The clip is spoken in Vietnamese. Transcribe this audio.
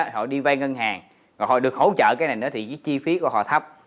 tiền hàng rồi được hỗ trợ cái này nữa thì chi phí của họ thấp